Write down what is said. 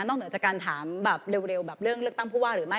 เหนือจากการถามแบบเร็วแบบเรื่องเลือกตั้งผู้ว่าหรือไม่